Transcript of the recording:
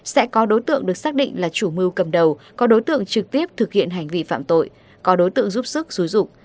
sẽ có đối tượng được xác định là chủ mưu cầm đầu có đối tượng trực tiếp thực hiện hành vi phạm tội có đối tượng giúp sức xúi rục